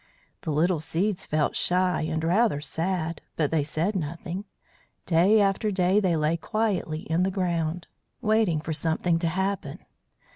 The little seeds felt shy and rather sad, but they said nothing. Day after day they lay quietly in the ground, waiting for something to happen.